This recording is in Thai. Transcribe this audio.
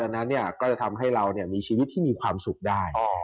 ดังนั้นก็จะทำให้เรามีชีวิตที่มีความสุขได้